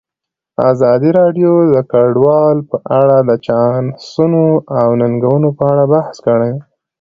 ازادي راډیو د کډوال په اړه د چانسونو او ننګونو په اړه بحث کړی.